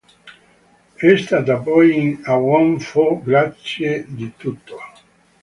È stata poi in "A Wong Foo, grazie di tutto!